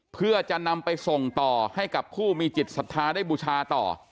เพื่อจะนำไปส่งต่อให้กับผู้มีจิตศรัทธาได้บูชาต่อ